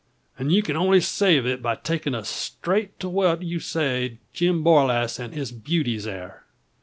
An' ye kin only save it by takin' us strait to whar ye say Jim Borlasse an' his beauties air.